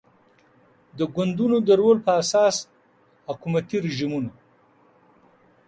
د ګوندونو د رول پر اساس حکومتي رژیمونه